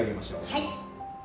はい。